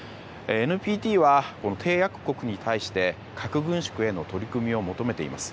ＮＰＴは締約国に対して核軍縮への取り組みを求めています。